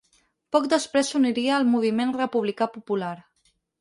Poc després s'uniria al Moviment Republicà Popular.